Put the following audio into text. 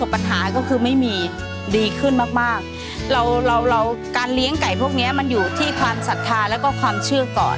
เป็นเป็นก่อเกิดในความสำเร็จ